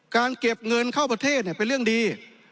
การเก็บเงินเข้าประเทศเป็นเรื่องดี